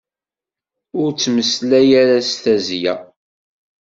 Ur ttmeslay ara s tazzla.